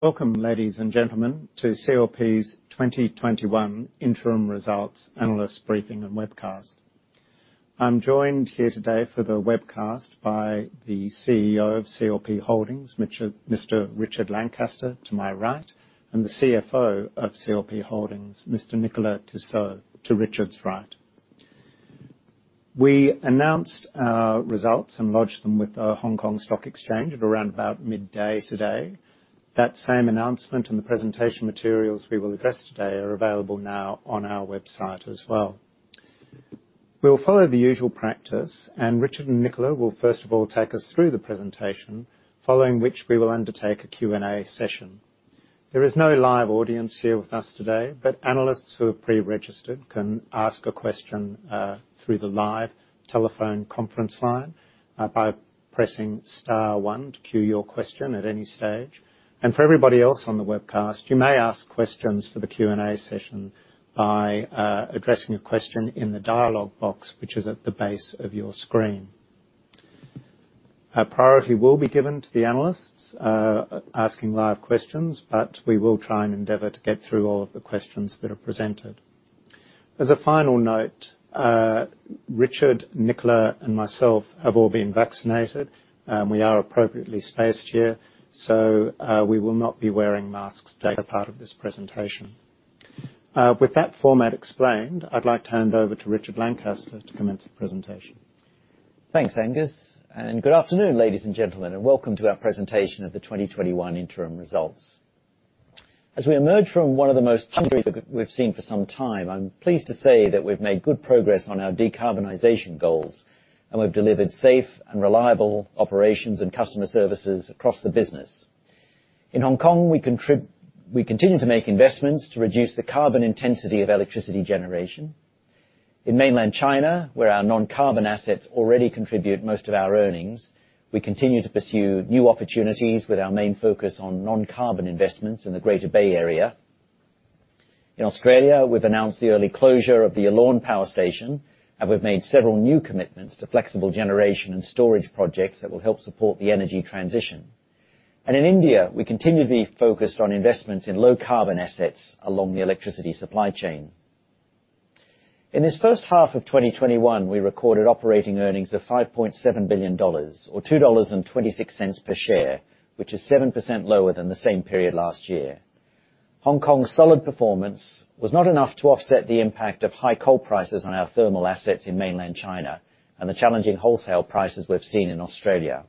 Welcome, ladies and gentlemen, to CLP's 2021 interim results analyst briefing and webcast. I'm joined here today for the webcast by the CEO of CLP Holdings, Mr. Richard Lancaster to my right, and the CFO of CLP Holdings, Mr. Nicolas Tissot to Richard's right. We announced our results and lodged them with our Hong Kong Stock Exchange at around about midday today. That same announcement and the presentation materials we will address today are available now on our website as well. We will follow the usual practice, and Richard and Nicolas will first of all take us through the presentation, following which we will undertake a Q&A session. There is no live audience here with us today, but analysts who have pre-registered can ask a question through the live telephone conference line. For everybody else on the webcast, you may ask questions for the Q&A session by addressing a question in the dialogue box, which is at the base of your screen. Our priority will be given to the analysts asking live questions, we will try and endeavor to get through all of the questions that are presented. As a final note, Richard, Nicolas, and myself have all been vaccinated, we are appropriately spaced here, we will not be wearing masks that are part of this presentation. With that format explained, I'd like to hand over to Richard Lancaster to commence the presentation. Thanks, Angus. Good afternoon, ladies and gentlemen, and welcome to our presentation of the 2021 interim results. As we emerge from one of the most we've seen for some time, I'm pleased to say that we've made good progress on our decarbonization goals and we've delivered safe and reliable operations and customer services across the business. In Hong Kong, we continue to make investments to reduce the carbon intensity of electricity generation. In mainland China, where our non-carbon assets already contribute most of our earnings, we continue to pursue new opportunities with our main focus on non-carbon investments in the Greater Bay Area. In Australia, we've announced the early closure of the Yallourn Power Station, and we've made several new commitments to flexible generation and storage projects that will help support the energy transition. In India, we continue to be focused on investments in low carbon assets along the electricity supply chain. In this first half of 2021, we recorded operating earnings of 5.7 billion dollars, or 2.26 dollars per share, which is 7% lower than the same period last year. Hong Kong's solid performance was not enough to offset the impact of high coal prices on our thermal assets in mainland China and the challenging wholesale prices we've seen in Australia.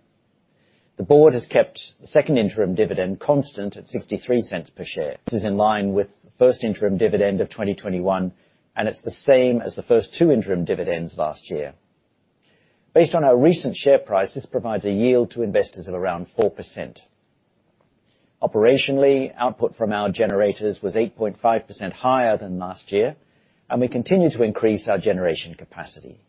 The board has kept the second interim dividend constant at 0.63 per share. This is in line with the first interim dividend of 2021, and it's the same as the first two interim dividends last year. Based on our recent share price, this provides a yield to investors of around 4%. Operationally, output from our generators was 8.5% higher than last year, and we continue to increase our generation capacity.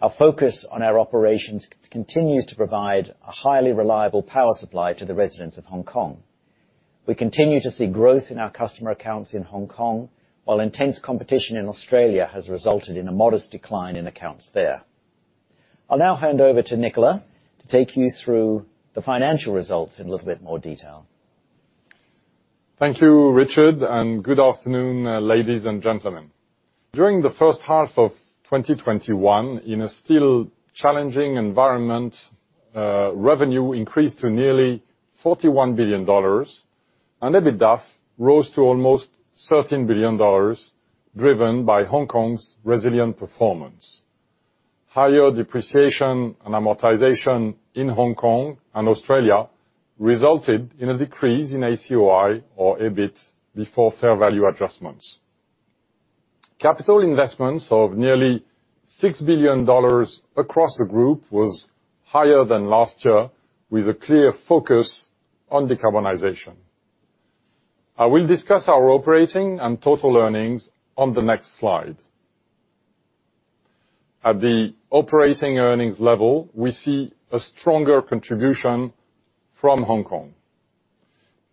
Our focus on our operations continues to provide a highly reliable power supply to the residents of Hong Kong. We continue to see growth in our customer accounts in Hong Kong, while intense competition in Australia has resulted in a modest decline in accounts there. I'll now hand over to Nicolas to take you through the financial results in a little bit more detail. Thank you, Richard, and good afternoon, ladies and gentlemen. During the first half of 2021, in a still challenging environment, revenue increased to nearly 41 billion dollars and EBITDAF rose to almost 13 billion dollars, driven by Hong Kong's resilient performance. Higher depreciation and amortization in Hong Kong and Australia resulted in a decrease in ACOI, or EBIT, before fair value adjustments. Capital investments of nearly 6 billion dollars across the group was higher than last year, with a clear focus on decarbonization. I will discuss our operating and total earnings on the next slide. At the operating earnings level, we see a stronger contribution from Hong Kong.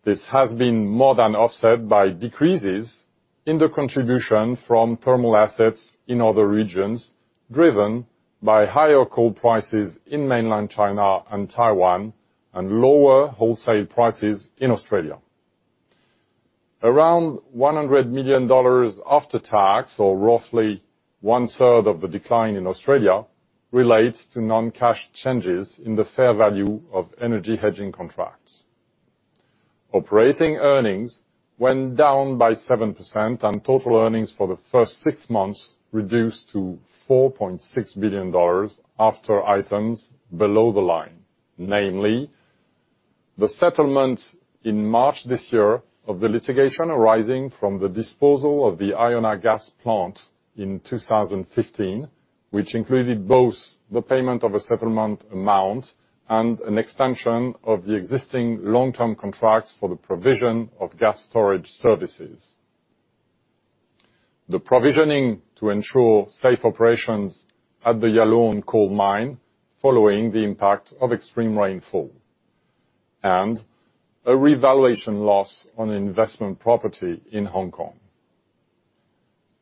This has been more than offset by decreases in the contribution from thermal assets in other regions, driven by higher coal prices in mainland China and Taiwan, and lower wholesale prices in Australia. Around 100 million dollars after tax, or roughly one-third of the decline in Australia, relates to non-cash changes in the fair value of energy hedging contracts. Operating earnings went down by 7%. Total earnings for the first six months reduced to 4.6 billion dollars after items below the line. Namely, the settlement in March this year of the litigation arising from the disposal of the Iona Gas Plant in 2015, which included both the payment of a settlement amount and an extension of the existing long-term contracts for the provision of gas storage services. The provisioning to ensure safe operations at the Yallourn coal mine following the impact of extreme rainfall and a revaluation loss on investment property in Hong Kong.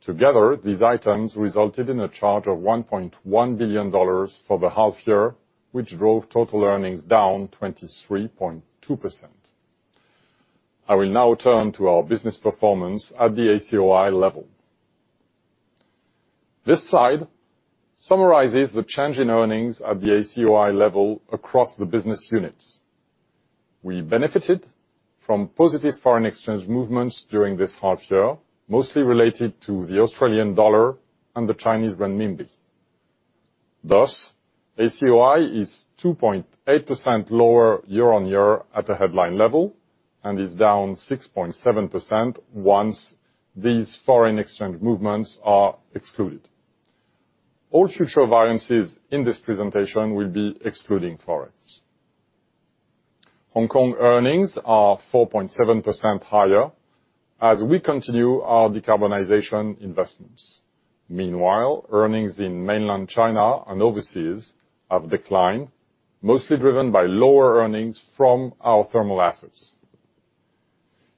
Together, these items resulted in a charge of 1.1 billion dollars for the half year, which drove total earnings down 23.2%. I will now turn to our business performance at the ACOI level. This slide summarizes the change in earnings at the ACOI level across the business units. We benefited from positive foreign exchange movements during this half year, mostly related to the Australian dollar and the Chinese renminbi. ACOI is 2.8% lower year-on-year at a headline level, and is down 6.7% once these foreign exchange movements are excluded. All future variances in this presentation will be excluding ForEx. Hong Kong earnings are 4.7% higher as we continue our decarbonization investments. Meanwhile, earnings in Mainland China and overseas have declined, mostly driven by lower earnings from our thermal assets.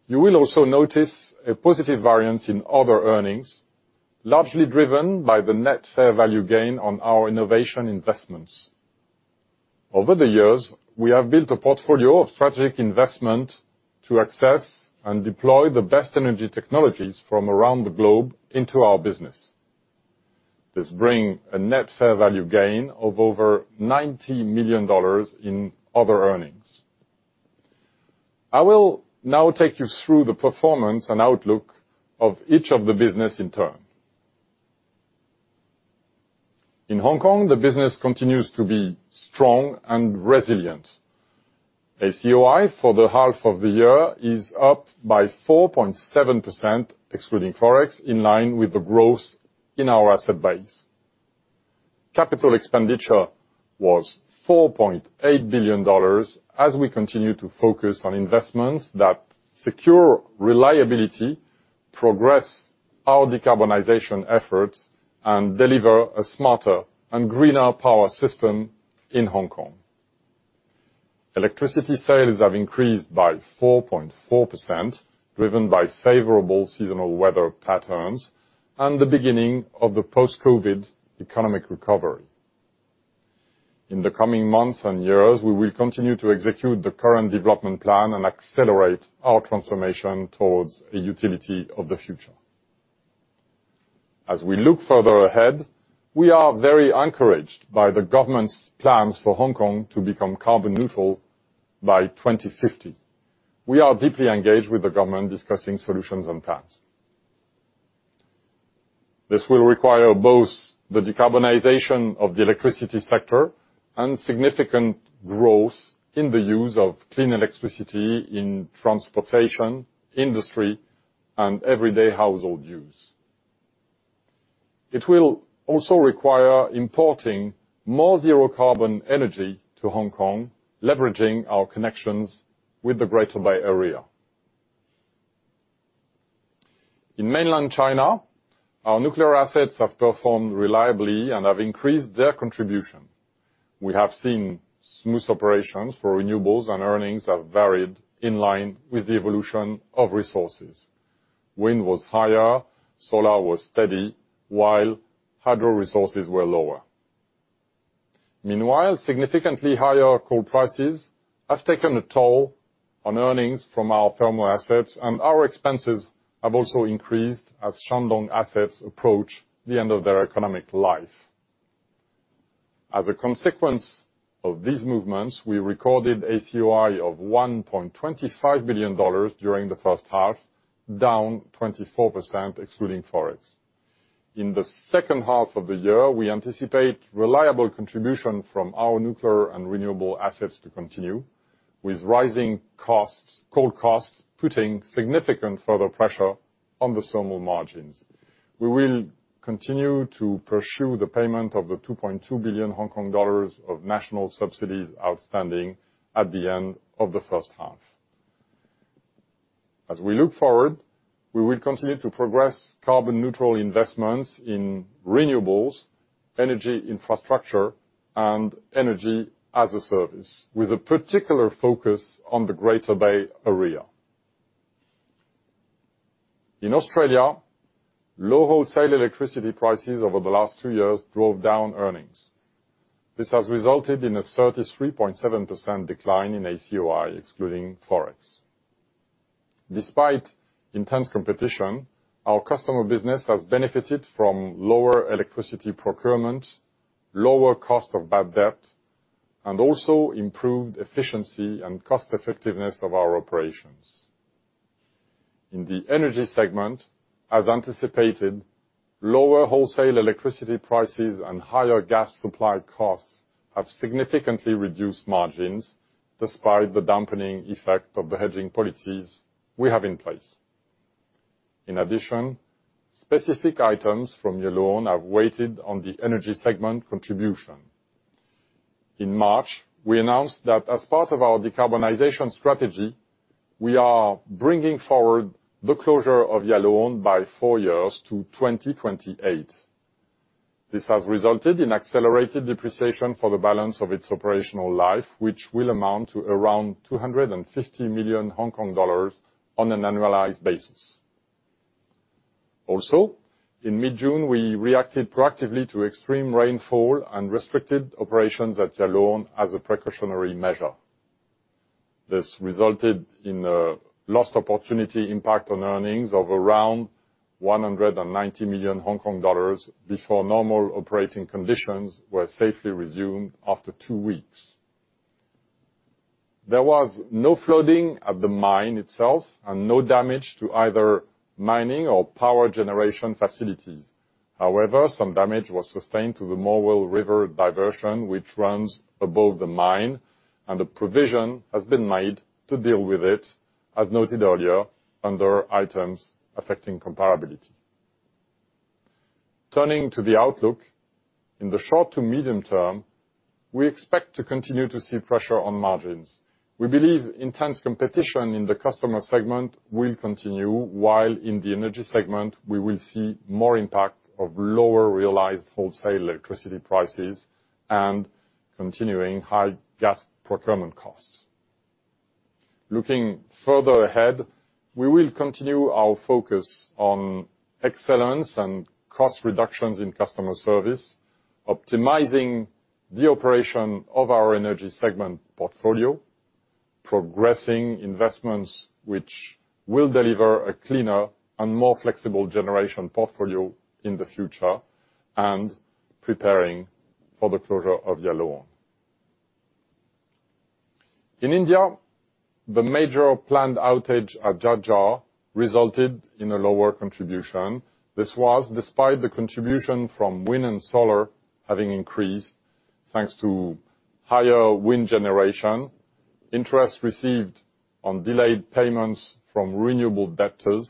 You will also notice a positive variance in other earnings, largely driven by the net fair value gain on our innovation investments. Over the years, we have built a portfolio of strategic investment to access and deploy the best energy technologies from around the globe into our business. This bring a net fair value gain of over 90 million dollars in other earnings. I will now take you through the performance and outlook of each of the business in turn. In Hong Kong, the business continues to be strong and resilient. ACOI for the half of the year is up by 4.7%, excluding ForEx, in line with the growth in our asset base. Capital expenditure was 4.8 billion dollars, as we continue to focus on investments that secure reliability, progress our decarbonization efforts, and deliver a smarter and greener power system in Hong Kong. Electricity sales have increased by 4.4%, driven by favorable seasonal weather patterns and the beginning of the post-COVID economic recovery. In the coming months and years, we will continue to execute the current development plan and accelerate our transformation towards a utility of the future. As we look further ahead, we are very encouraged by the government's plans for Hong Kong to become carbon neutral by 2050. We are deeply engaged with the government discussing solutions and plans. This will require both the decarbonization of the electricity sector and significant growth in the use of clean electricity in transportation, industry, and everyday household use. It will also require importing more zero carbon energy to Hong Kong, leveraging our connections with the Greater Bay Area. In Mainland China, our nuclear assets have performed reliably and have increased their contribution. Earnings have varied in line with the evolution of resources. Wind was higher, solar was steady, while hydro resources were lower. Meanwhile, significantly higher coal prices have taken a toll on earnings from our thermal assets, and our expenses have also increased as Shandong assets approach the end of their economic life. As a consequence of these movements, we recorded ACOI of 1.25 billion dollars during the first half, down 24%, excluding ForEx. In the second half of the year, we anticipate reliable contribution from our nuclear and renewable assets to continue, with rising coal costs putting significant further pressure on the thermal margins. We will continue to pursue the payment of the 2.2 billion Hong Kong dollars of national subsidies outstanding at the end of the first half. We will continue to progress carbon neutral investments in renewables, energy infrastructure, and energy as a service, with a particular focus on the Greater Bay Area. In Australia, low wholesale electricity prices over the last two years drove down earnings. This has resulted in a 33.7% decline in ACOI, excluding ForEx. Despite intense competition, our customer business has benefited from lower electricity procurement, lower cost of bad debt, and also improved efficiency and cost effectiveness of our operations. In the energy segment, as anticipated, lower wholesale electricity prices and higher gas supply costs have significantly reduced margins, despite the dampening effect of the hedging policies we have in place. In addition, specific items from Yallourn have weighted on the energy segment contribution. In March, we announced that as part of our decarbonization strategy, we are bringing forward the closure of Yallourn by four years to 2028. This has resulted in accelerated depreciation for the balance of its operational life, which will amount to around 250 million Hong Kong dollars on an annualized basis. In mid-June, we reacted proactively to extreme rainfall and restricted operations at Yallourn as a precautionary measure. This resulted in a lost opportunity impact on earnings of around 190 million Hong Kong dollars before normal operating conditions were safely resumed after two weeks. There was no flooding at the mine itself and no damage to either mining or power generation facilities. Some damage was sustained to the Morwell River diversion, which runs above the mine, and a provision has been made to deal with it, as noted earlier, under items affecting comparability. Turning to the outlook, in the short to medium term, we expect to continue to see pressure on margins. We believe intense competition in the customer segment will continue, while in the energy segment, we will see more impact of lower realized wholesale electricity prices and continuing high gas procurement costs. Looking further ahead, we will continue our focus on excellence and cost reductions in customer service, optimizing the operation of our energy segment portfolio, progressing investments which will deliver a cleaner and more flexible generation portfolio in the future, and preparing for the closure of Yallourn. In India, the major planned outage at Jhajjar resulted in a lower contribution. This was despite the contribution from wind and solar having increased, thanks to higher wind generation, interest received on delayed payments from renewable debtors,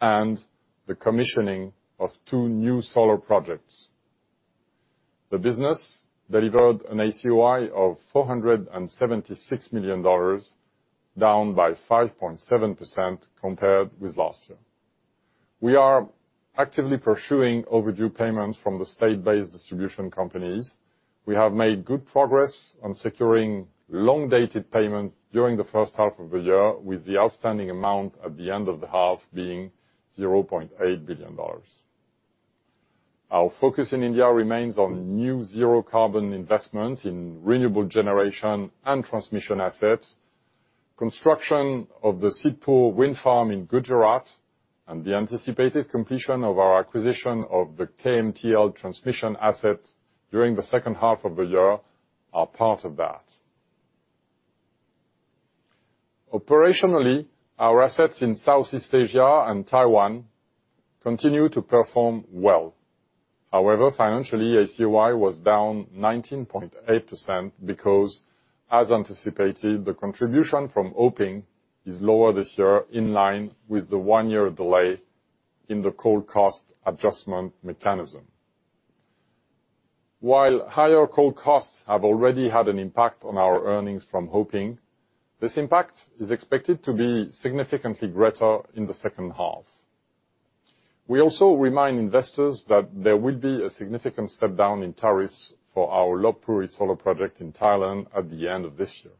and the commissioning of two new solar projects. The business delivered an ACOI of 476 million dollars, down by 5.7% compared with last year. We are actively pursuing overdue payments from the state-based distribution companies. We have made good progress on securing long-dated payment during the first half of the year, with the outstanding amount at the end of the half being 0.8 billion dollars. Our focus in India remains on new zero-carbon investments in renewable generation and transmission assets. Construction of the Sidhpur wind farm in Gujarat and the anticipated completion of our acquisition of the KMTL transmission asset during the second half of the year are part of that. Operationally, our assets in Southeast Asia and Taiwan continue to perform well. However, financially, ACOI was down 19.8% because, as anticipated, the contribution from Heping is lower this year, in line with the one-year delay in the coal cost adjustment mechanism. While higher coal costs have already had an impact on our earnings from Heping, this impact is expected to be significantly greater in the second half. We also remind investors that there will be a significant step-down in tariffs for our Lopburi solar project in Thailand at the end of this year.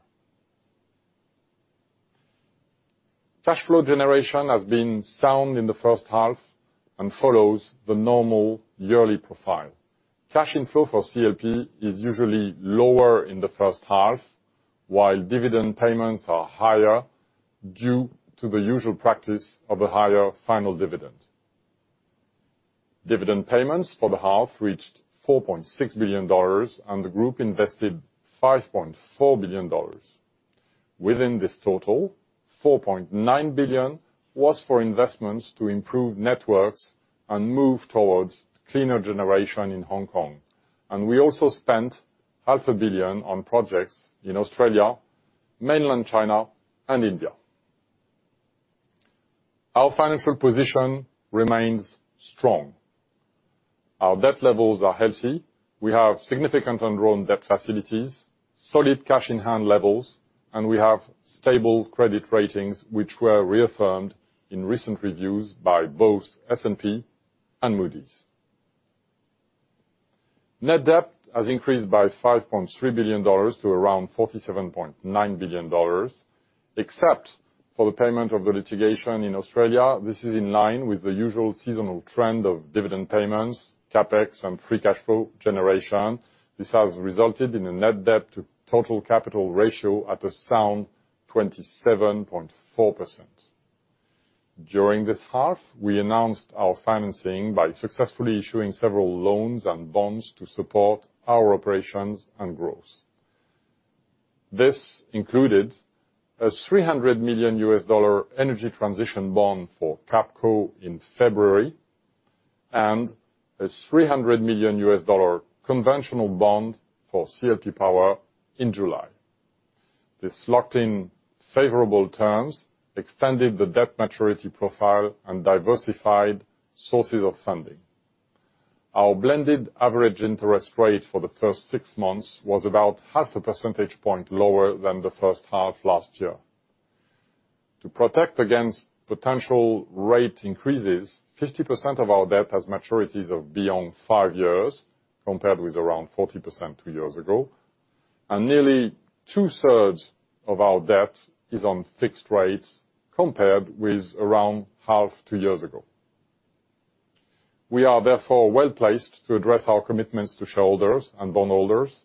Cash flow generation has been sound in the first half and follows the normal yearly profile. Cash inflow for CLP is usually lower in the first half, while dividend payments are higher due to the usual practice of a higher final dividend. Dividend payments for the half reached 4.6 billion dollars, the group invested 5.4 billion dollars. Within this total, 4.9 billion was for investments to improve networks and move towards cleaner generation in Hong Kong. We also spent HKD half a billion on projects in Australia, mainland China, and India. Our financial position remains strong. Our debt levels are healthy. We have significant undrawn debt facilities, solid cash-in-hand levels, and we have stable credit ratings, which were reaffirmed in recent reviews by both S&P and Moody's. Net debt has increased by 5.3 billion dollars to around 47.9 billion dollars, except for the payment of the litigation in Australia. This is in line with the usual seasonal trend of dividend payments, CapEx, and free cash flow generation. This has resulted in a net debt to total capital ratio at a sound 27.4%. During this half, we announced our financing by successfully issuing several loans and bonds to support our operations and growth. This included a HKD 300 million energy transition bond for CAPCO in February and a HKD 300 million conventional bond for CLP Power in July. This locked in favorable terms, extended the debt maturity profile, and diversified sources of funding. Our blended average interest rate for the first 6 months was about 0.5 percentage point lower than the first half last year. To protect against potential rate increases, 50% of our debt has maturities of beyond 5 years, compared with around 40% two years ago, and nearly two-thirds of our debt is on fixed rates, compared with around half two years ago. We are therefore well-placed to address our commitments to shareholders and bondholders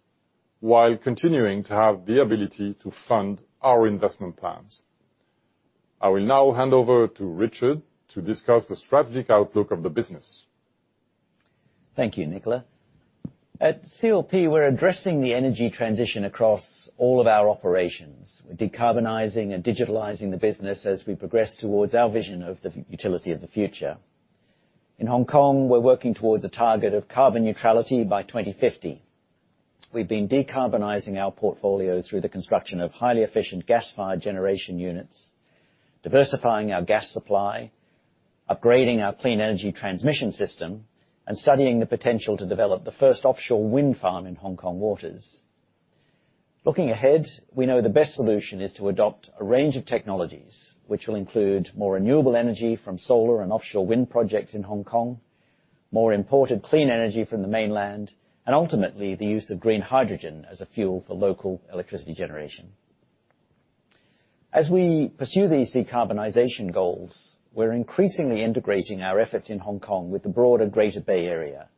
while continuing to have the ability to fund our investment plans. I will now hand over to Richard to discuss the strategic outlook of the business. Thank you, Nicolas. At CLP, we're addressing the energy transition across all of our operations, decarbonizing and digitalizing the business as we progress towards our vision of the utility of the future. In Hong Kong, we're working towards a target of carbon neutrality by 2050. We've been decarbonizing our portfolio through the construction of highly efficient gas-fired generation units, diversifying our gas supply, upgrading our clean energy transmission system, and studying the potential to develop the first offshore wind farm in Hong Kong waters. Looking ahead, we know the best solution is to adopt a range of technologies, which will include more renewable energy from solar and offshore wind projects in Hong Kong, more imported clean energy from the Mainland, and ultimately, the use of green hydrogen as a fuel for local electricity generation. As we pursue these decarbonization goals, we're increasingly integrating our efforts in Hong Kong with the broader Greater Bay Area.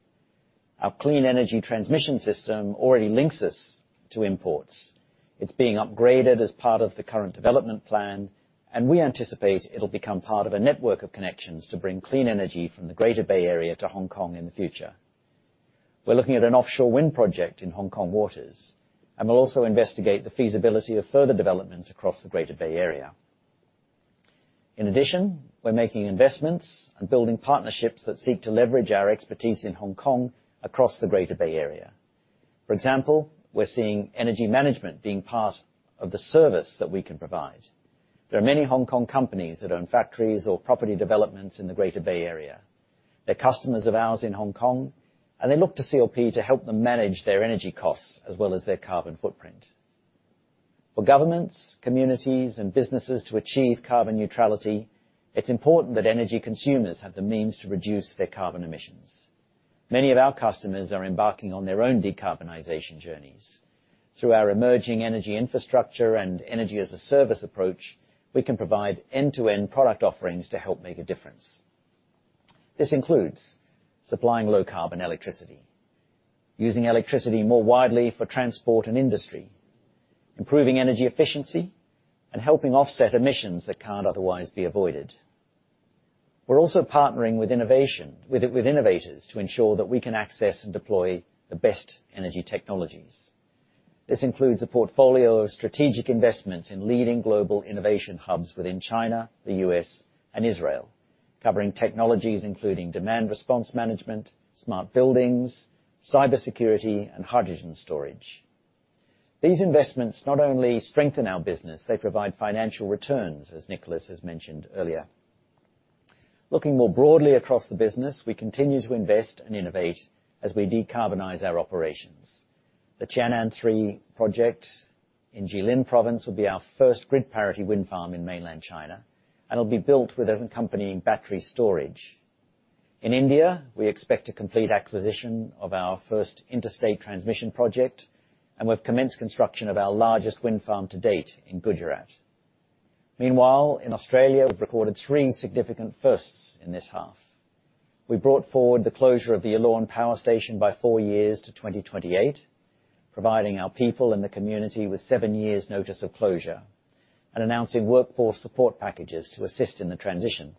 Our clean energy transmission system already links us to imports. It's being upgraded as part of the current development plan. We anticipate it'll become part of a network of connections to bring clean energy from the Greater Bay Area to Hong Kong in the future. We're looking at an offshore wind project in Hong Kong waters. We'll also investigate the feasibility of further developments across the Greater Bay Area. In addition, we're making investments and building partnerships that seek to leverage our expertise in Hong Kong across the Greater Bay Area. For example, we're seeing energy management being part of the service that we can provide. There are many Hong Kong companies that own factories or property developments in the Greater Bay Area. They're customers of ours in Hong Kong, and they look to CLP to help them manage their energy costs as well as their carbon footprint. For governments, communities, and businesses to achieve carbon neutrality, it's important that energy consumers have the means to reduce their carbon emissions. Many of our customers are embarking on their own decarbonization journeys. Through our emerging energy infrastructure and energy-as-a-service approach, we can provide end-to-end product offerings to help make a difference. This includes supplying low-carbon electricity, using electricity more widely for transport and industry, improving energy efficiency, and helping offset emissions that can't otherwise be avoided. We're also partnering with innovators to ensure that we can access and deploy the best energy technologies. This includes a portfolio of strategic investments in leading global innovation hubs within China, the U.S., and Israel, covering technologies including demand response management, smart buildings, cybersecurity, and hydrogen storage. These investments not only strengthen our business, they provide financial returns, as Nicolas has mentioned earlier. Looking more broadly across the business, we continue to invest and innovate as we decarbonize our operations. The Tianneng Three project in Jilin Province will be our first grid-parity wind farm in Mainland China and will be built with an accompanying battery storage. In India, we expect to complete acquisition of our first interstate transmission project, and we've commenced construction of our largest wind farm to date in Gujarat. Meanwhile, in Australia, we've recorded three significant firsts in this half. We brought forward the closure of the Yallourn Power Station by four years to 2028, providing our people and the community with seven years' notice of closure and announcing workforce support packages to assist in the transition.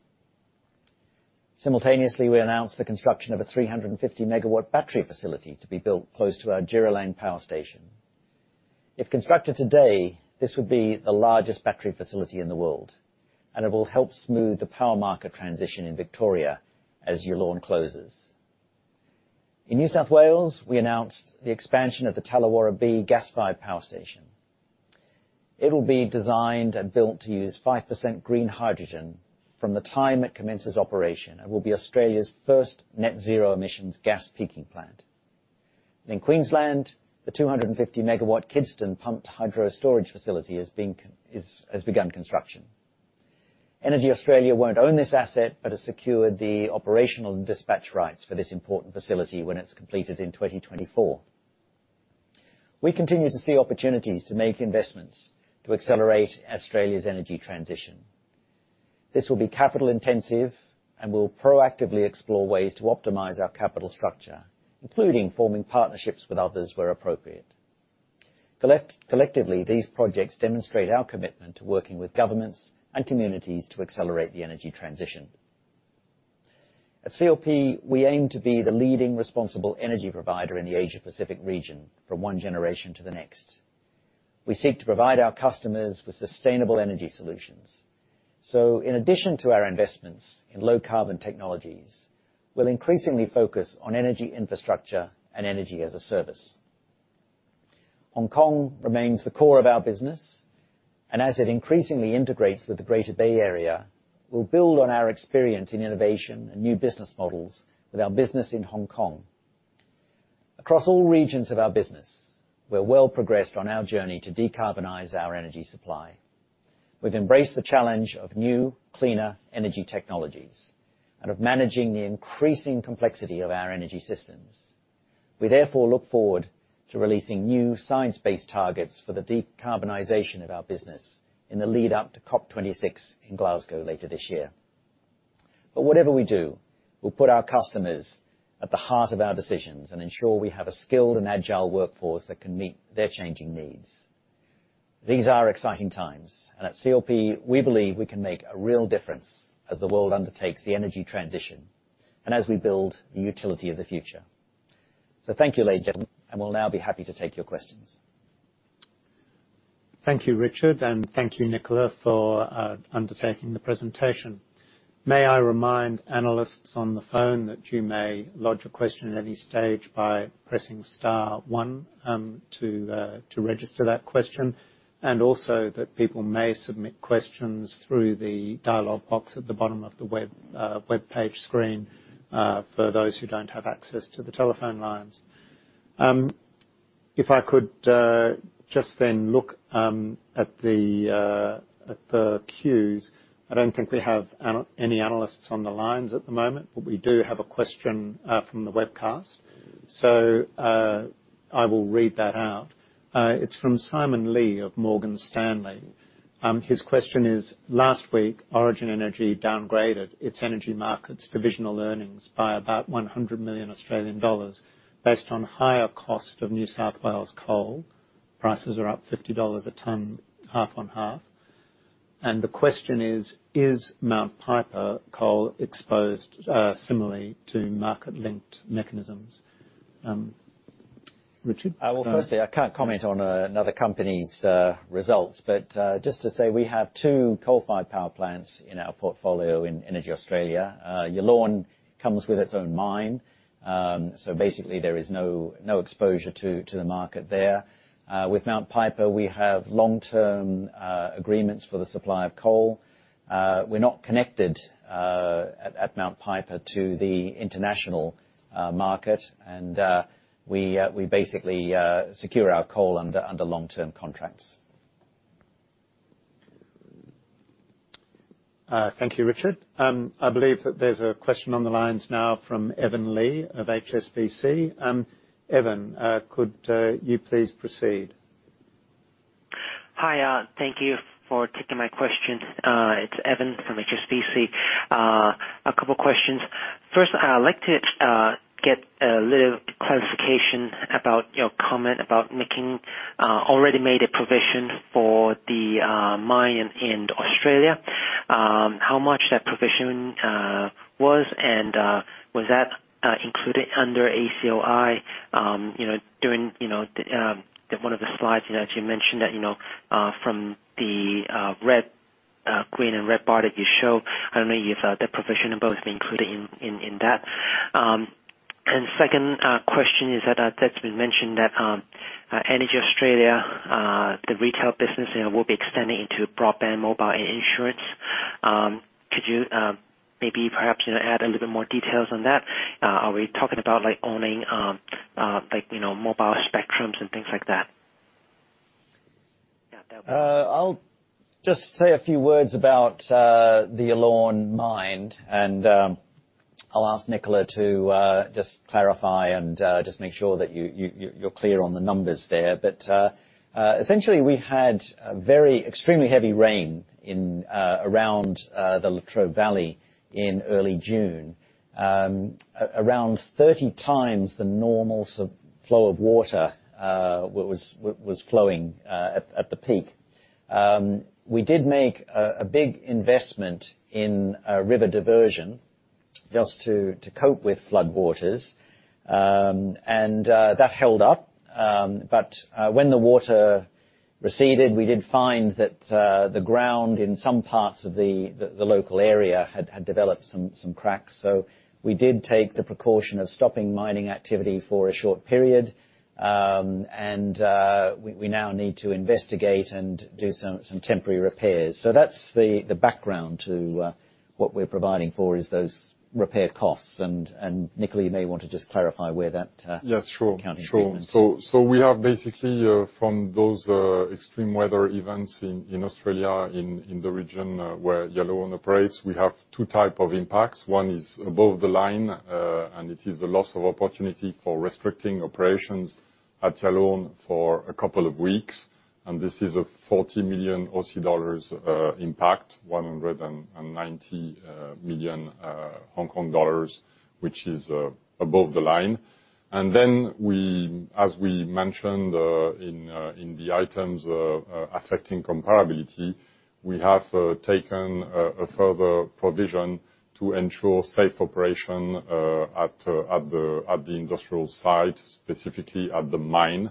Simultaneously, we announced the construction of a 350 MW battery facility to be built close to our Jeeralang Power Station. If constructed today, this would be the largest battery facility in the world, and it will help smooth the power market transition in Victoria as Yallourn closes. In New South Wales, we announced the expansion of the Tallawarra B gas-fired power station. It will be designed and built to use 5% green hydrogen from the time it commences operation and will be Australia's first net zero emissions gas peaking plant. In Queensland, the 250 MW Kidston Pumped Storage Hydro Project has begun construction. EnergyAustralia won't own this asset but has secured the operational dispatch rights for this important facility when it's completed in 2024. We continue to see opportunities to make investments to accelerate Australia's energy transition. This will be capital intensive and will proactively explore ways to optimize our capital structure, including forming partnerships with others where appropriate. Collectively, these projects demonstrate our commitment to working with governments and communities to accelerate the energy transition. At CLP, we aim to be the leading responsible energy provider in the Asia-Pacific region from one generation to the next. We seek to provide our customers with sustainable energy solutions. In addition to our investments in low-carbon technologies, we'll increasingly focus on energy infrastructure and energy as a service. Hong Kong remains the core of our business, and as it increasingly integrates with the Greater Bay Area, we'll build on our experience in innovation and new business models with our business in Hong Kong. Across all regions of our business, we are well progressed on our journey to decarbonize our energy supply. We've embraced the challenge of new, cleaner energy technologies, and of managing the increasing complexity of our energy systems. We therefore look forward to releasing new science-based targets for the decarbonization of our business in the lead up to COP26 in Glasgow later this year. Whatever we do, we'll put our customers at the heart of our decisions and ensure we have a skilled and agile workforce that can meet their changing needs. These are exciting times. At CLP, we believe we can make a real difference as the world undertakes the energy transition, and as we build the utility of the future. Thank you, ladies and gentlemen, and we'll now be happy to take your questions. Thank you, Richard, and thank you, Nicola, for undertaking the presentation. May I remind analysts on the phone that you may lodge a question at any stage by pressing star one to register that question, and also that people may submit questions through the dialog box at the bottom of the webpage screen, for those who don't have access to the telephone lines. If I could just then look at the queues. I don't think we have any analysts on the lines at the moment, but we do have a question from the webcast. I will read that out. It's from Simon Lee of Morgan Stanley. His question is: Last week, Origin Energy downgraded its energy markets provisional earnings by about 100 million Australian dollars based on higher cost of New South Wales coal. Prices are up 50 dollars a ton, half on half. The question is: Is Mount Piper coal exposed similarly to market-linked mechanisms? Richard? Well, firstly, I can't comment on another company's results. Just to say, we have two coal-fired power plants in our portfolio in EnergyAustralia. Yallourn comes with its own mine. Basically there is no exposure to the market there. With Mount Piper, we have long-term agreements for the supply of coal. We're not connected at Mount Piper to the international market. We basically secure our coal under long-term contracts. Thank you, Richard. I believe that there is a question on the lines now from Evan Li of HSBC. Evan, could you please proceed? Hi. Thank you for taking my questions. It's Evan from HSBC. A couple questions. First, I would like to get a little clarification about your comment about making already made a provision for the mine in Australia, how much that provision was, and was that included under ACOI, during one of the slides that you mentioned that from the green and red bar that you show, I don't know if that provision has both been included in that. Second question is that's been mentioned that EnergyAustralia, the retail business will be extending into broadband mobile insurance. Could you maybe perhaps add a little bit more details on that? Are we talking about owning mobile spectrums and things like that? I'll just say a few words about the Yallourn mine, and I'll ask Nicola to just clarify and just make sure that you're clear on the numbers there. Essentially we had a very extremely heavy rain around the Latrobe Valley in early June. Around 30 times the normal flow of water was flowing at the peak. We did make a big investment in a river diversion just to cope with flood waters. That held up, but when the water receded, we did find that the ground in some parts of the local area had developed some cracks. We did take the precaution of stopping mining activity for a short period. We now need to investigate and do some temporary repairs. That's the background to what we're providing for is those repair costs. Nicola, you may want to just clarify where that. Yes, sure. accounting treatment is? Sure. We have basically from those extreme weather events in Australia in the region where Yallourn operates, we have two type of impacts. One is above the line, and it is the loss of opportunity for restricting operations at Yallourn for a couple of weeks. This is a 40 million dollars impact, 190 million Hong Kong dollars, which is above the line. As we mentioned in the items affecting comparability, we have taken a further provision to ensure safe operation at the industrial site, specifically at the mine.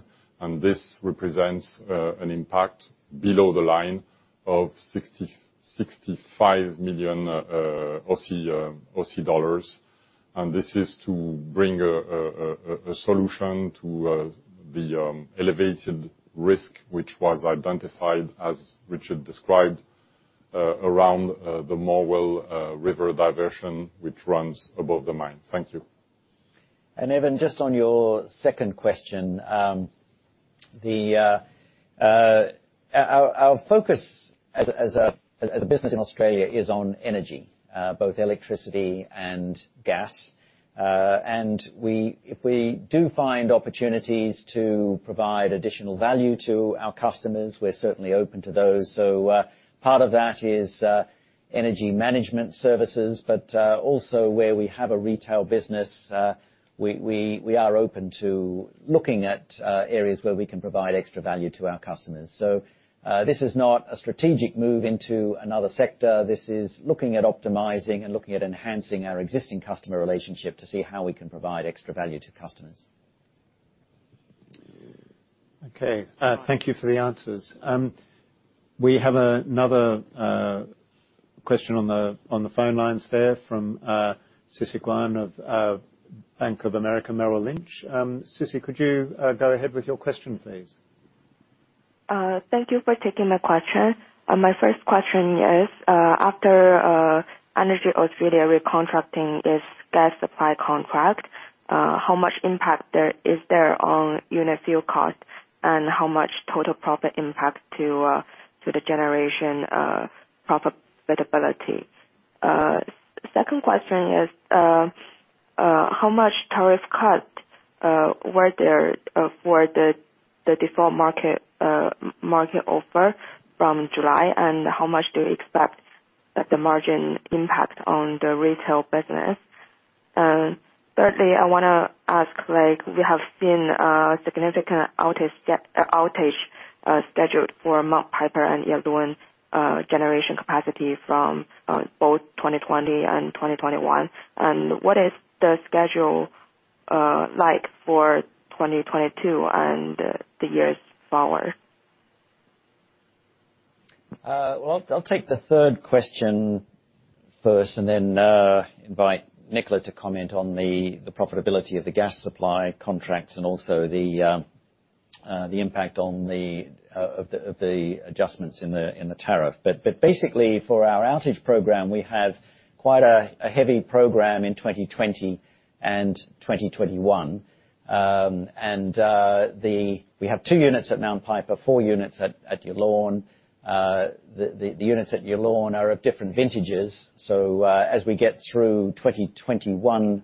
This represents an impact below the line of 65 million Aussie dollars. This is to bring a solution to the elevated risk, which was identified as Richard described around the Morwell River Diversion, which runs above the mine. Thank you. Evan, just on your second question. Our focus as a business in Australia is on energy, both electricity and gas. If we do find opportunities to provide additional value to our customers, we're certainly open to those. Part of that is energy management services, but also where we have a retail business, we are open to looking at areas where we can provide extra value to our customers. This is not a strategic move into another sector. This is looking at optimizing and looking at enhancing our existing customer relationship to see how we can provide extra value to customers. Okay. Thank you for the answers. We have another question on the phone lines there from Cissy Guan of Bank of America Merrill Lynch. Cissy, could you go ahead with your question, please? Thank you for taking my question. My first question is, after EnergyAustralia recontracting its gas supply contract, how much impact is there on unit fuel cost, and how much total profit impact to the generation profitability? Second question is, how much tariff cut were there for the default market offer from July, and how much do you expect that the margin impact on the retail business? Thirdly, I want to ask, we have seen a significant outage scheduled for Mount Piper and other one generation capacity from both 2020 and 2021. What is the schedule like for 2022 and the years forward? I'll take the third question first and then invite Nicola to comment on the profitability of the gas supply contracts and also the impact of the adjustments in the tariff. Basically, for our outage program, we have quite a heavy program in 2020 and 2021. We have two units at Mount Piper, four units at Ularng. The units at Ularng are of different vintages. As we get through 2021,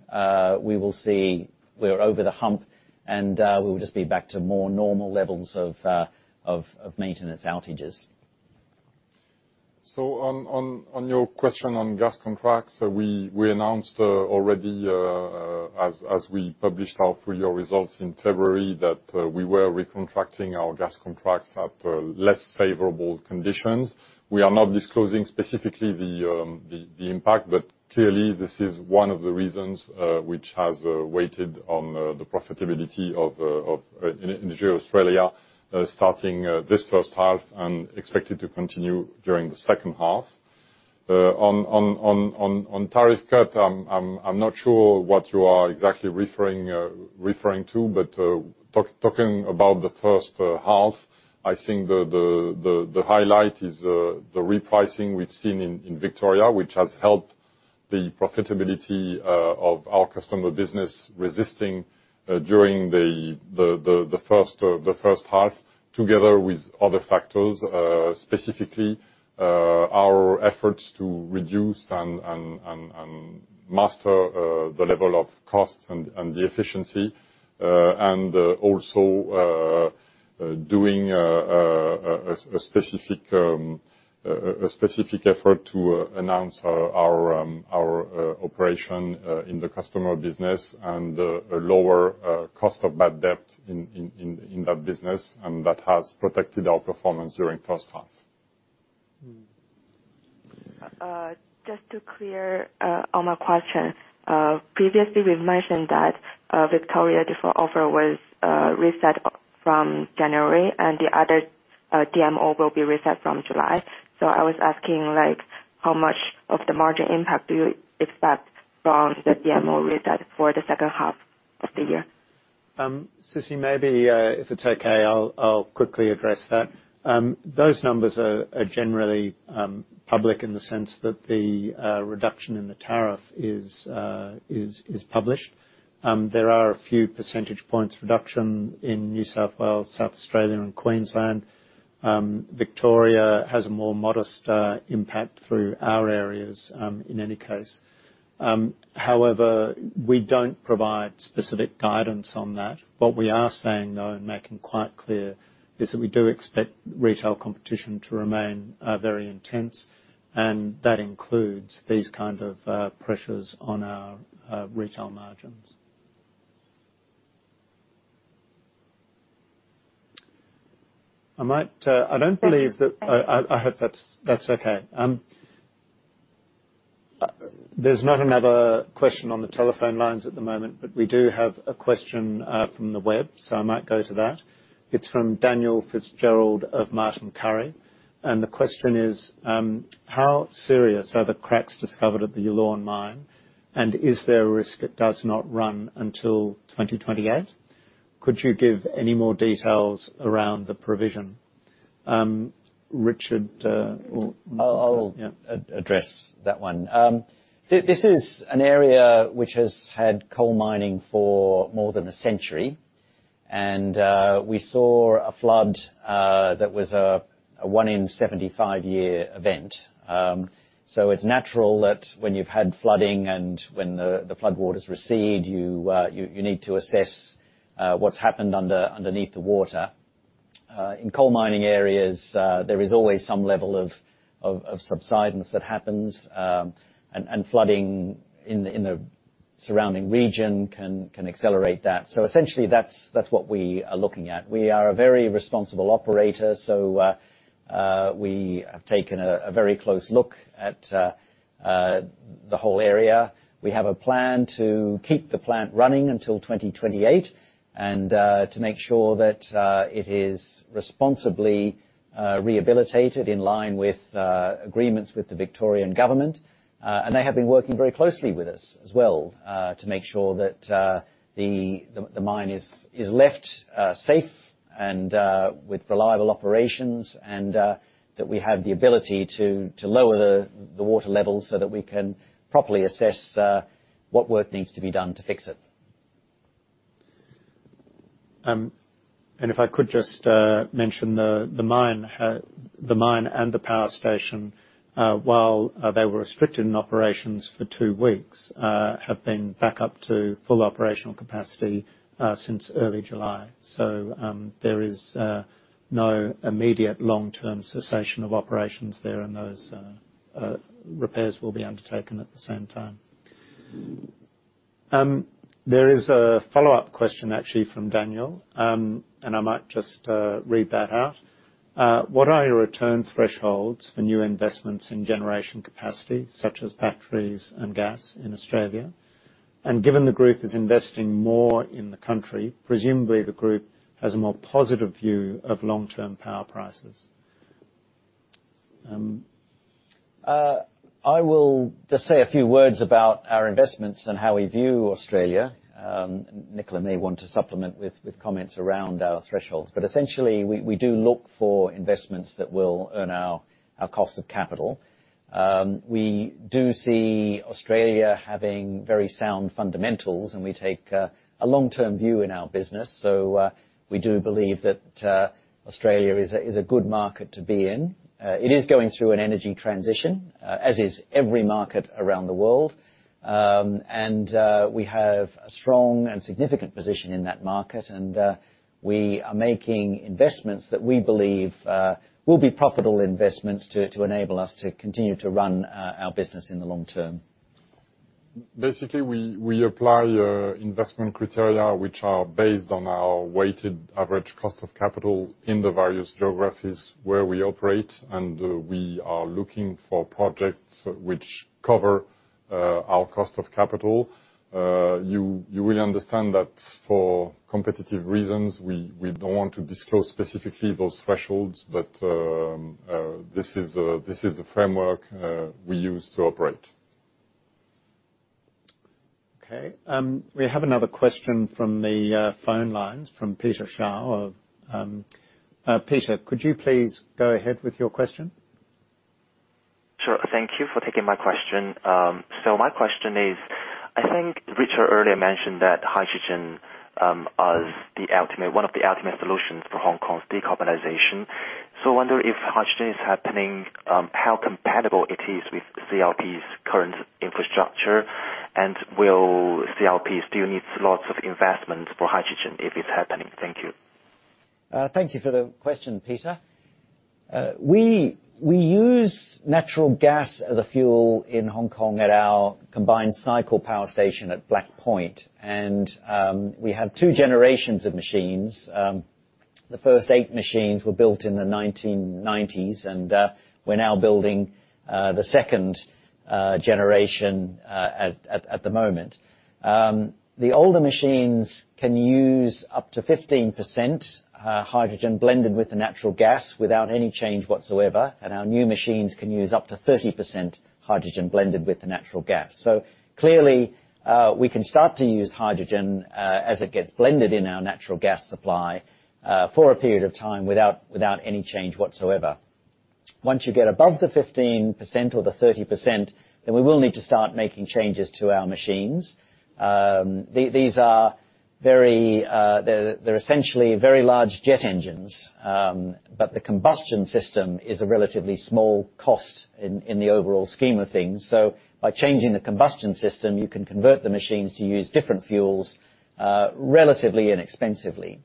we will see we are over the hump and we will just be back to more normal levels of maintenance outages. On your question on gas contracts, we announced already, as we published our full year results in February, that we were recontracting our gas contracts at less favorable conditions. We are not disclosing specifically the impact, but clearly this is one of the reasons which has weighted on the profitability of EnergyAustralia, starting this first half and expected to continue during the second half. On tariff cut, I'm not sure what you are exactly referring to, but talking about the first half, I think the highlight is the repricing we've seen in Victoria, which has helped the profitability of our customer business resisting during the first half, together with other factors. Specifically, our efforts to reduce and master the level of costs and the efficiency, also doing a specific effort to enhance our operation in the customer business and a lower cost of bad debt in that business, and that has protected our performance during first half. Just to clear on my question. Previously, we've mentioned that Victoria default market offer was reset from January, and the other DMO will be reset from July. I was asking how much of the margin impact do you expect from the DMO reset for the second half of the year? Cissy, maybe if it's okay, I'll quickly address that. Those numbers are generally public in the sense that the reduction in the tariff is published. There are a few percentage points reduction in New South Wales, South Australia and Queensland. Victoria has a more modest impact through our areas, in any case. We don't provide specific guidance on that. What we are saying, though, and making quite clear, is that we do expect retail competition to remain very intense, and that includes these kind of pressures on our retail margins. I hope that's okay. There's not another question on the telephone lines at the moment, but we do have a question from the web, so I might go to that. It's from Daniel Fitzgerald of Martin Currie. The question is, how serious are the cracks discovered at the Ularng mine, and is there a risk it does not run until 2028? Could you give any more details around the provision? Richard? I'll address that one. This is an area which has had coal mining for more than a century. We saw a flood that was a 1 in 75 year event. It's natural that when you've had flooding and when the flood waters recede, you need to assess what's happened underneath the water. In coal mining areas, there is always some level of subsidence that happens. Flooding in the surrounding region can accelerate that. Essentially, that's what we are looking at. We are a very responsible operator. We have taken a very close look at the whole area. We have a plan to keep the plant running until 2028 and to make sure that it is responsibly rehabilitated in line with agreements with the Victorian government. They have been working very closely with us as well, to make sure that the mine is left safe and with reliable operations and that we have the ability to lower the water levels so that we can properly assess what work needs to be done to fix it. If I could just mention the mine and the power station, while they were restricted in operations for two weeks, have been back up to full operational capacity since early July. There is no immediate long-term cessation of operations there, and those repairs will be undertaken at the same time. There is a follow-up question actually from Daniel Fitzgerald, and I might just read that out. What are your return thresholds for new investments in generation capacity, such as batteries and gas in Australia? Given the group is investing more in the country, presumably the group has a more positive view of long-term power prices. I will just say a few words about our investments and how we view Australia. Nicolas may want to supplement with comments around our thresholds. Essentially, we do look for investments that will earn our cost of capital. We do see Australia having very sound fundamentals, and we take a long-term view in our business. We do believe that Australia is a good market to be in. It is going through an energy transition, as is every market around the world. We have a strong and significant position in that market, and we are making investments that we believe will be profitable investments to enable us to continue to run our business in the long term. We apply investment criteria which are based on our weighted average cost of capital in the various geographies where we operate, and we are looking for projects which cover our cost of capital. You will understand that for competitive reasons, we don't want to disclose specifically those thresholds, but this is the framework we use to operate. Okay. We have another question from the phone lines, from Peter Shaw. Peter, could you please go ahead with your question? Sure. Thank you for taking my question. My question is, I think Richard earlier mentioned that hydrogen is one of the ultimate solutions for Hong Kong's decarbonization. I wonder if hydrogen is happening, how compatible it is with CLP's current infrastructure, and will CLP still need lots of investment for hydrogen if it is happening? Thank you. Thank you for the question, Peter. We use natural gas as a fuel in Hong Kong at our combined cycle power station at Black Point. We have two generations of machines. The first eight machines were built in the 1990s. We are now building the second generation at the moment. The older machines can use up to 15% hydrogen blended with the natural gas without any change whatsoever. Our new machines can use up to 30% hydrogen blended with the natural gas. Clearly, we can start to use hydrogen, as it gets blended in our natural gas supply, for a period of time without any change whatsoever. Once you get above the 15% or the 30%, we will need to start making changes to our machines. They're essentially very large jet engines. The combustion system is a relatively small cost in the overall scheme of things. By changing the combustion system, you can convert the machines to use different fuels relatively inexpensively.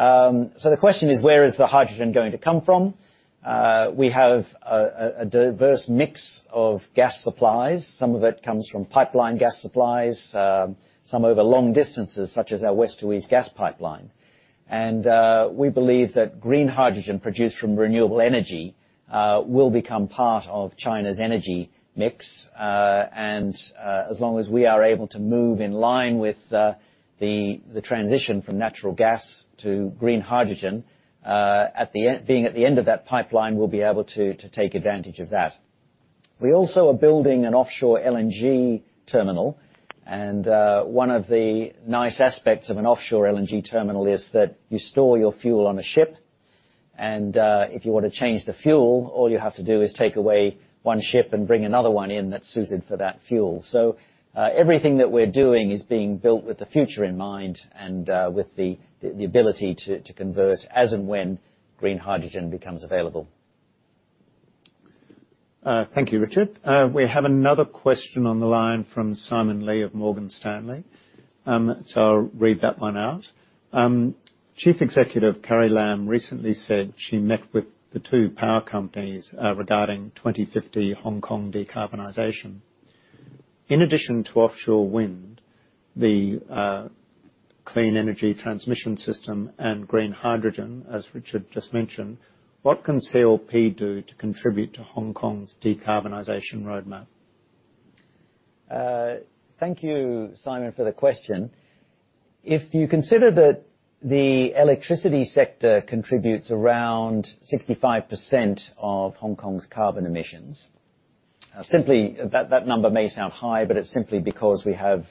The question is, where is the hydrogen going to come from? We have a diverse mix of gas supplies. Some of it comes from pipeline gas supplies, some over long distances, such as our West-East Gas Pipeline. We believe that green hydrogen produced from renewable energy will become part of China's energy mix. As long as we are able to move in line with the transition from natural gas to green hydrogen, being at the end of that pipeline, we'll be able to take advantage of that. We also are building an offshore LNG terminal, and one of the nice aspects of an offshore LNG terminal is that you store your fuel on a ship, and if you want to change the fuel, all you have to do is take away 1 ship and bring another 1 in that's suited for that fuel. Everything that we're doing is being built with the future in mind and with the ability to convert as and when green hydrogen becomes available. Thank you, Richard. We have another question on the line from Simon Lee of Morgan Stanley, so I'll read that one out. Chief Executive Carrie Lam recently said she met with the two power companies regarding 2050 Hong Kong decarbonization. In addition to offshore wind, the clean energy transmission system and green hydrogen, as Richard just mentioned, what can CLP do to contribute to Hong Kong's decarbonization roadmap? Thank you, Simon, for the question. You consider that the electricity sector contributes around 65% of Hong Kong's carbon emissions. Simply, that number may sound high, but it's simply because we have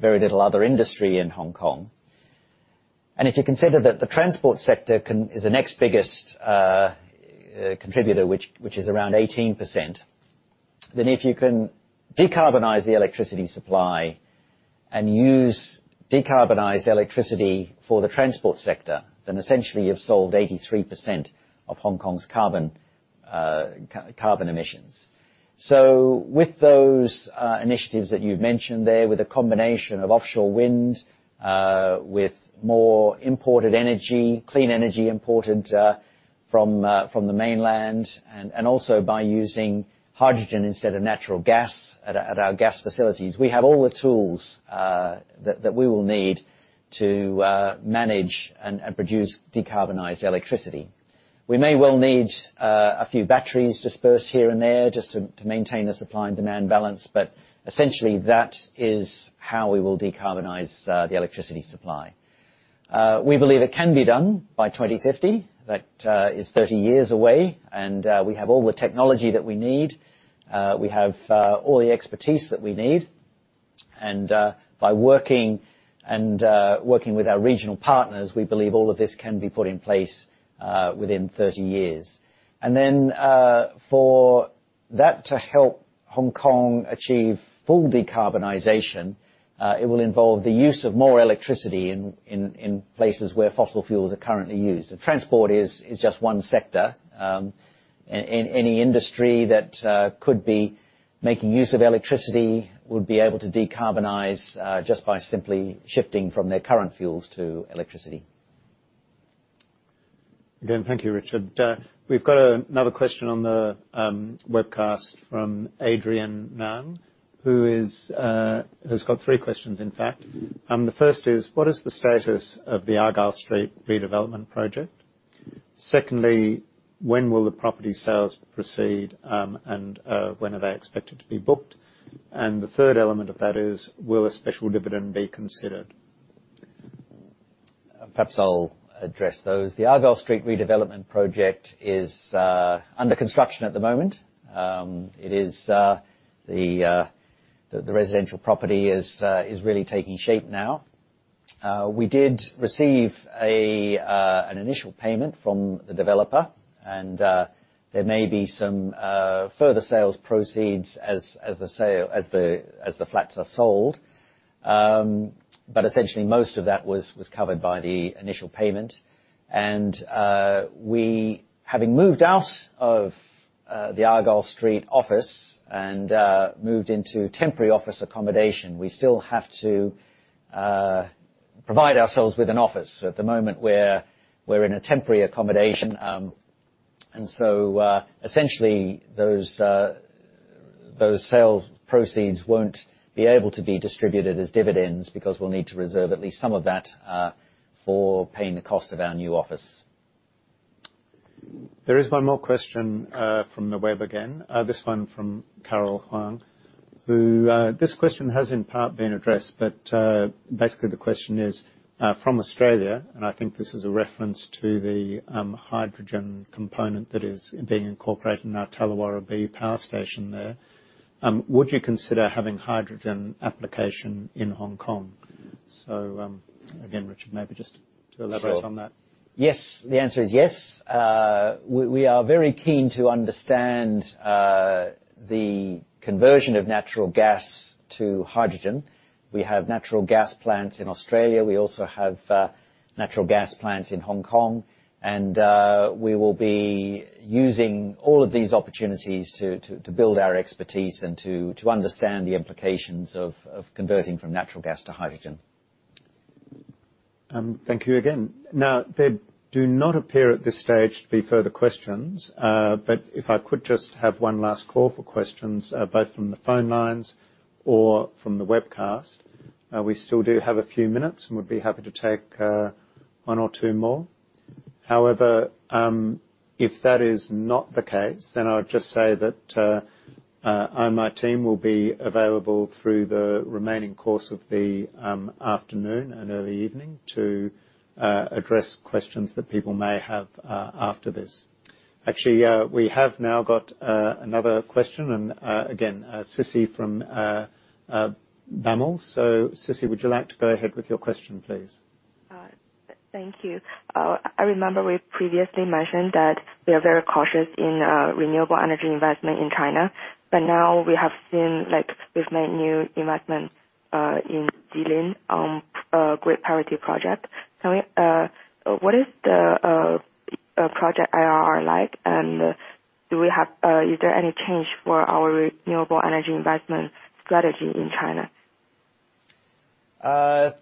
very little other industry in Hong Kong. If you consider that the transport sector is the next biggest contributor, which is around 18%, if you can decarbonize the electricity supply and use decarbonized electricity for the transport sector, essentially you've solved 83% of Hong Kong's carbon emissions. With those initiatives that you've mentioned there, with a combination of offshore wind, with more imported energy, clean energy imported from the mainland, and also by using hydrogen instead of natural gas at our gas facilities, we have all the tools that we will need to manage and produce decarbonized electricity. We may well need a few batteries dispersed here and there just to maintain the supply and demand balance. Essentially that is how we will decarbonize the electricity supply. We believe it can be done by 2050. That is 30 years away. We have all the technology that we need. We have all the expertise that we need. By working with our regional partners, we believe all of this can be put in place within 30 years. For that to help Hong Kong achieve full decarbonization, it will involve the use of more electricity in places where fossil fuels are currently used. Transport is just one sector. Any industry that could be making use of electricity would be able to decarbonize just by simply shifting from their current fuels to electricity. Again, thank you, Richard. We've got another question on the webcast from Adrian Ng, who has got three questions, in fact. The first is, what is the status of the Argyle Street redevelopment project? Secondly, when will the property sales proceed, and when are they expected to be booked? The third element of that is, will a special dividend be considered? Perhaps I'll address those. The Argyle Street redevelopment project is under construction at the moment. The residential property is really taking shape now. We did receive an initial payment from the developer, and there may be some further sales proceeds as the flats are sold. Essentially, most of that was covered by the initial payment. We, having moved out of the Argyle Street office and moved into temporary office accommodation, we still have to provide ourselves with an office. At the moment, we're in a temporary accommodation. Essentially, those sales proceeds won't be able to be distributed as dividends because we'll need to reserve at least some of that for paying the cost of our new office. There is one more question from the web again, this one from Carol Huang. This question has in part been addressed, but basically the question is from Australia, and I think this is a reference to the hydrogen component that is being incorporated in our Tallawarra B power station there. Would you consider having hydrogen application in Hong Kong? Again, Richard, maybe just to elaborate on that. Sure. Yes. The answer is yes. We are very keen to understand the conversion of natural gas to hydrogen. We have natural gas plants in Australia. We also have natural gas plants in Hong Kong, and we will be using all of these opportunities to build our expertise and to understand the implications of converting from natural gas to hydrogen. Thank you again. There do not appear at this stage to be further questions. If I could just have one last call for questions, both from the phone lines or from the webcast. We still do have a few minutes, and we'd be happy to take one or two more. If that is not the case, then I would just say that I and my team will be available through the remaining course of the afternoon and early evening to address questions that people may have after this. Actually, we have now got another question, and again, Cissy from BAML. Cissy, would you like to go ahead with your question, please? Thank you. I remember we previously mentioned that we are very cautious in renewable energy investment in China. Now we have seen we've made new investment in Delingha grid parity project. What is the project IRR like and is there any change for our renewable energy investment strategy in China?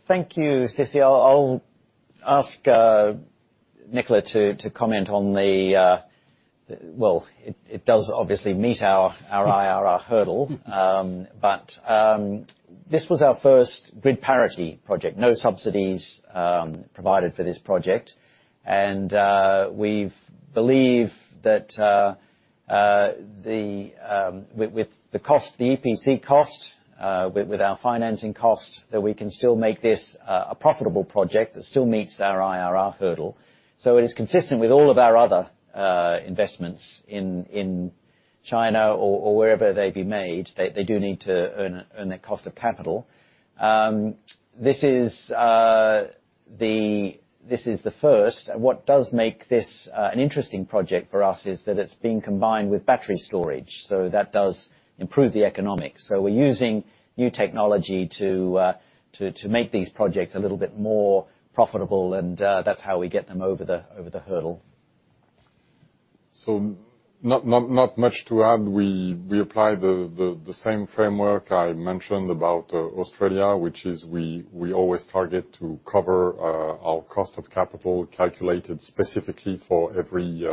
Thank you, Cissy Guan. I'll ask Nicolas Tissot to comment on well, it does obviously meet our IRR hurdle. This was our first grid parity project. No subsidies provided for this project, we believe that with the EPC cost, with our financing cost, that we can still make this a profitable project that still meets our IRR hurdle. It is consistent with all of our other investments in China or wherever they be made. They do need to earn their cost of capital. This is the first. What does make this an interesting project for us is that it's being combined with battery storage. That does improve the economics. We're using new technology to make these projects a little bit more profitable, and that's how we get them over the hurdle. Not much to add. We apply the same framework I mentioned about Australia, which is we always target to cover our cost of capital calculated specifically for every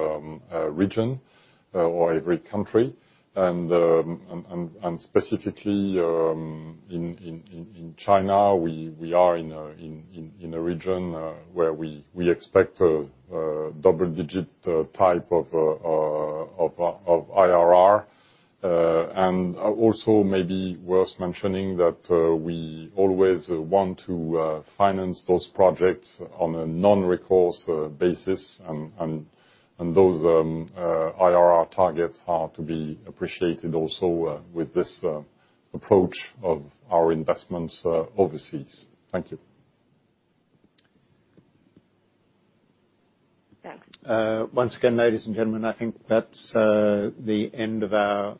region or every country. Specifically in China, we are in a region where we expect a double-digit type of IRR. Also may be worth mentioning that we always want to finance those projects on a non-recourse basis and those IRR targets are to be appreciated also with this approach of our investments overseas. Thank you. Thanks. Once again, ladies and gentlemen, I think that's the end of our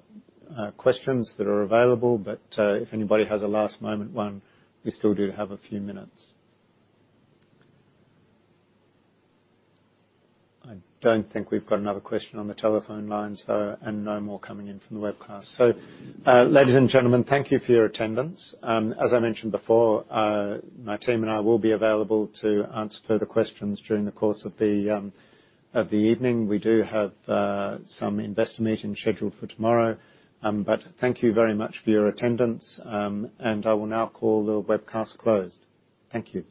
questions that are available, but if anybody has a last moment one, we still do have a few minutes. I don't think we've got another question on the telephone lines, though, and no more coming in from the webcast. Ladies and gentlemen, thank you for your attendance. As I mentioned before, my team and I will be available to answer further questions during the course of the evening. We do have some investor meetings scheduled for tomorrow. Thank you very much for your attendance, and I will now call the webcast closed. Thank you.